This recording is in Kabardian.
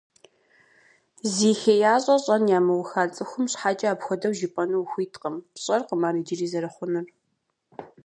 Зи хеящӀэ щӀэн ямыуха цӀыхум щхьэкӀэ апхуэдэу жыпӀэну ухуиткъым, пщӀэркъым ар иджыри зэрыхъунур.